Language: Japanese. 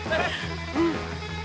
うん。